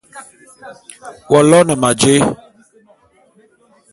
W'aloene ma jé?